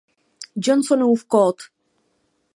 Johnsonův kód